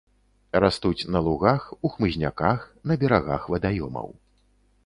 Растуць на лугах, у хмызняках, на берагах вадаёмаў.